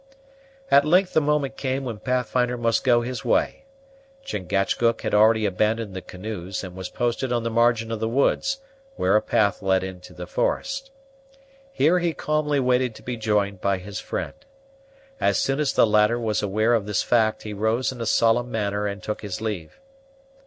At length the moment came when Pathfinder must go his way. Chingachgook had already abandoned the canoes, and was posted on the margin of the woods, where a path led into the forest. Here he calmly waited to be joined by his friend. As soon as the latter was aware of this fact, he rose in a solemn manner and took his leave.